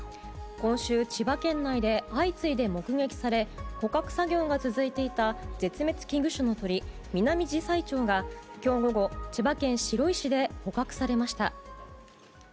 今週、千葉県内で相次いで目撃され捕獲作業が続いていた絶滅危惧種の鳥ミナミジサイチョウが今日午後、千葉県白井市で捕獲されました。